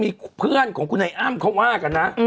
มีเพื่อนของคุณไอ้อ้ำเขาว่ากันนะ